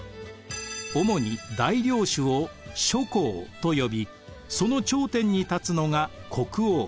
主に大領主を諸侯と呼びその頂点に立つのが国王。